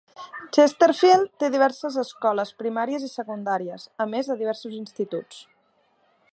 Chesterfield té diverses escoles primàries i secundàries, a més de diversos instituts.